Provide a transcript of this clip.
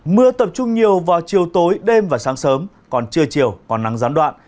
mưa tập trung nhiều vào chiều tối đêm và sáng sớm còn trưa chiều còn nắng gián đoạn